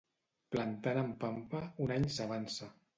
Plantant en pampa, un any s'avança.